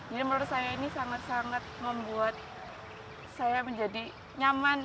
jadi menurut saya ini sangat sangat membuat saya menjadi nyaman